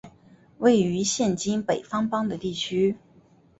位于现今北方邦的地区。